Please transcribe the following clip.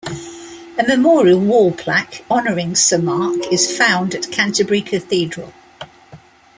A memorial wall plaque honoring Sir Mark is found at Canterbury Cathedral.